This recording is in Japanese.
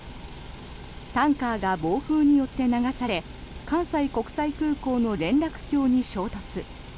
タンカーが暴風によって流され関西国際空港の連絡橋に衝突。